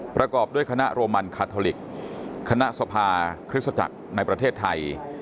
ประกอบด้วยคณะโรมันคาทอลิกคณะสภาคริสตจักรในประเทศไทย